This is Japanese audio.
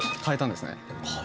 変えたんですね。